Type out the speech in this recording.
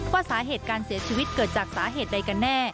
สาเหตุการเสียชีวิตเกิดจากสาเหตุใดกันแน่